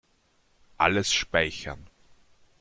Alles speichern.